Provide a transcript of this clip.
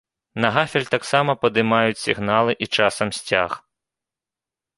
На гафель таксама падымаюць сігналы і часам сцяг.